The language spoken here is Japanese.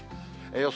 予想